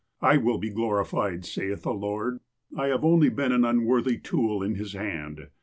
' I will he glorified, saith the Lord.^ I have only been an unworthy tool in His hand.